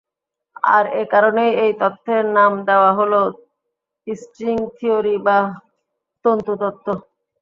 আর এ কারণেই এই তত্ত্বের নাম দেওয়া হলো স্ট্রিং থিওরি বা তন্তু তত্ত্ব।